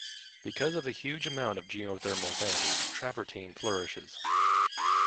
Because of the huge amount of geothermal vents, travertine flourishes.